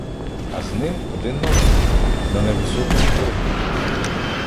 А з ним — один маленький, на невисокому "киргизові".